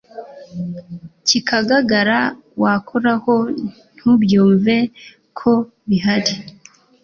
kikagagara wakoraho ntubyumve ko bihari